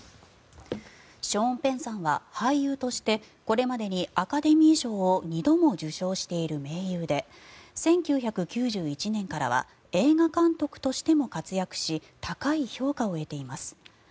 ショーン・ペンさんは俳優としてこれまでにアカデミー賞を２度も受賞している名優で１９９１年からは映画監督としても活躍し高い評価を得ています。